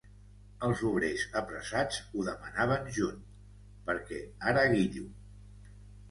Els obrers, apressats, ho demanaven junt "perquè ara guillo".